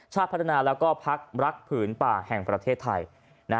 พัฒนาแล้วก็พักรักผืนป่าแห่งประเทศไทย